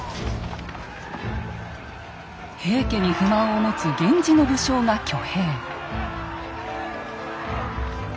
平家に不満を持つ源氏の武将が挙兵。